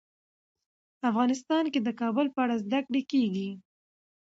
افغانستان کې د کابل په اړه زده کړه کېږي.